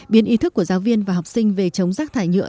biến ý thức của giáo viên và học sinh về chống rác thải nhựa